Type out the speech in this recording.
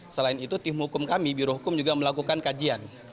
selain itu tim hukum kami birohukum juga melakukan kajian